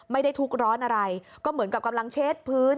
ไม่ได้ทุกข์ร้อนอะไรก็เหมือนกับกำลังเช็ดพื้น